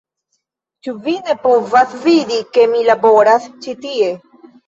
Ĉu vi ne povas vidi, ke mi laboras ĉi tie